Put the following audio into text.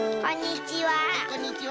こんにちは。